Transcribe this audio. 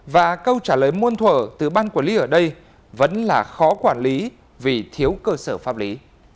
và câu trả lời muôn thủ từ ban quản lý ở đây vẫn là khó quản lý vì thiếu cơ sở pháp lý